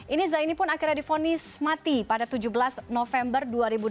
ini zaini pun akhirnya difonis mati pada tujuh belas november dua ribu dua puluh